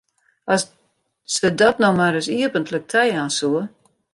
As se dat no mar ris iepentlik tajaan soe!